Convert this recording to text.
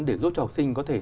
để giúp cho học sinh có thể